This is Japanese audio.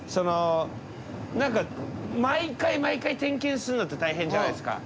なんか毎回毎回点検するのって大変じゃないですか。